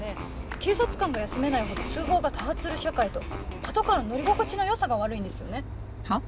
警察官が休めないほど通報が多発する社会とパトカーの乗り心地の良さが悪いんですよね。は？